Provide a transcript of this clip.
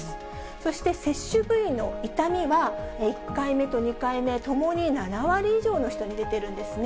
そして接種部位の痛みは、１回目と２回目ともに７割以上の人に出ているんですね。